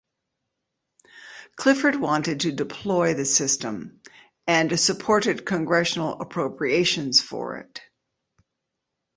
Clifford wanted to deploy the system, and supported congressional appropriations for it.